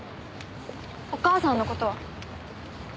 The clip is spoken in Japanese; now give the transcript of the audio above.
お母さんの事は？